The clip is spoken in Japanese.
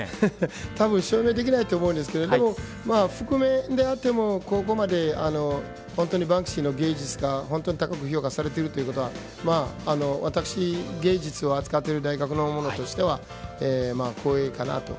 たぶん証明できないと思うんですけどでも覆面であってもここまで本当にバンクシーの芸術が本当に高く評価されているということは私、芸術を扱っている大学の者としては光栄かなと。